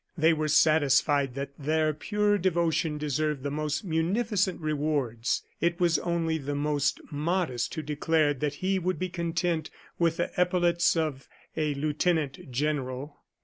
They were satisfied that their pure devotion deserved the most munificent rewards. It was only the most modest who declared that he would be content with the epaulets of a lieutenant general.